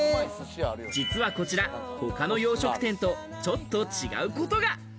実はこちら、他の洋食店とちょっと違うことが。